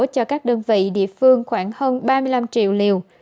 cho các đơn vị địa phương khoảng hơn ba mươi năm triệu liều